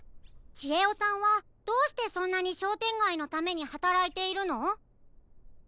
ちえおさんはどうしてそんなにしょうてんがいのためにはたらいているの？